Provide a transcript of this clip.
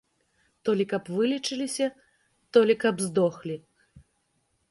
То лі каб вылечыліся, то лі каб здохлі.